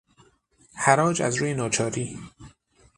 حراج از روی ناچاری